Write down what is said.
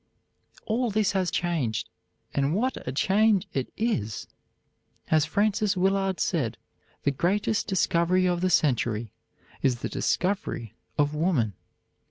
All this has changed, and what a change it is! As Frances Willard said, the greatest discovery of the century is the discovery of woman.